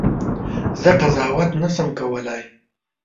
زه قضاوت نه سم کولای.